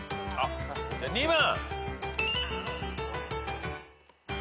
じゃあ２番。